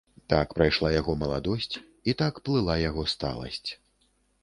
Так прайшла яго маладосць, і так плыла яго сталасць.